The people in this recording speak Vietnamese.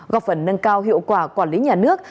góp phần nâng cao hiệu quả quản lý nhà nước